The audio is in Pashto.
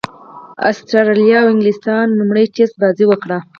اسټراليا او انګليستان لومړۍ ټېسټ بازي وکړه.